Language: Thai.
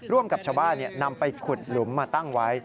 ร่วมกับชาวบ้านนำไปขุดหลุมมาตั้งไว้